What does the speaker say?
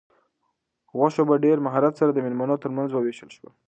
غوښه په ډېر مهارت سره د مېلمنو تر منځ وویشل شوه.